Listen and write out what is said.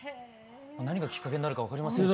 何がきっかけになるか分かりませんしね。